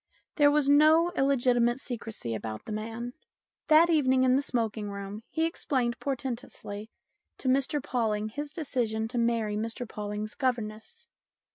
There was no illegitimate secrecy about the man. That evening in the smoking room he explained portentously to Mr Pawling his decision to marry Mr Pawling's governess.